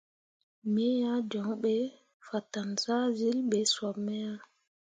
Me ah joŋ ɓe fatan zahzyilli ɓe sop me ah.